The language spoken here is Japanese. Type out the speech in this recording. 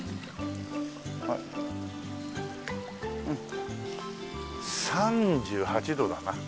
うん３８度だな。